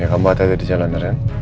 ya kamu hati hati jalan ren